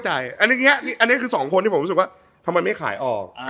อันนี้คือสองคนที่ผมรู้สึกว่าทำไมไม่ขายออก